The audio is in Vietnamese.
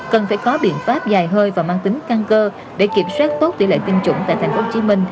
cần phải có biện pháp dài hơi và mang tính căng cơ để kiểm soát tốt tỉ lệ tiêm chủng tại tp hcm